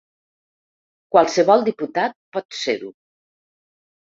Qualsevol diputat pot ser-ho.